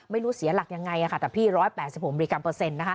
ไม่รู้เสียหลักยังไงค่ะแต่พี่๑๘๖มิลลิกรัมเปอร์เซ็นต์นะคะ